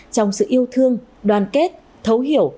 trong sự yêu thương đoàn kết thấu hiểu